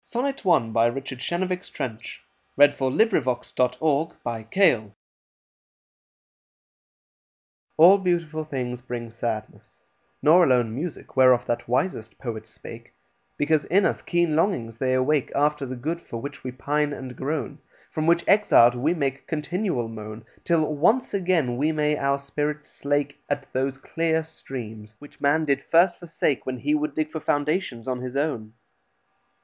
m Add New Quote Next Poem 9 / 16 Previous Poem Sonnet 01 Rating: ★2.5 Autoplay ALL beautiful things bring sadness, nor alone Music, whereof that wisest poet spake; Because in us keen longings they awake After the good for which we pine and groan, From which exil'd we make continual moan, Till once again we may our spirits slake At those clear streams, which man did first forsake, When he would dig for fountains of his own.